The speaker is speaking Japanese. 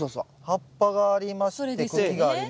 葉っぱがありまして茎がありまして。